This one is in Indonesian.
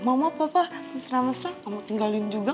mama papa mesra mesra kamu tinggalin juga